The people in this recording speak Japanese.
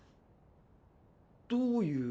どういう。